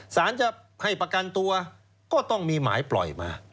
สารจะให้ประกันตัวก็ต้องมีหมายปล่อยมา